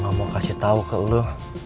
gue gak mau kasih tau ke lo